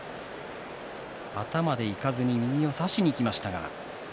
頭でいかずに右で差しにいきましたが。